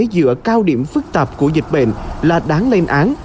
giữa cao điểm phức tạp của dịch bệnh là đáng lên án